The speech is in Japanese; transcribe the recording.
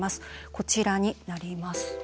こちらになります。